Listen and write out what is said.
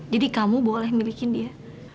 jadi kamu boleh milikin dia